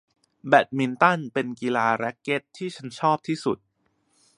แบดมินตันเป็นกีฬาแร็คเก็ทที่ฉันชอบที่สุด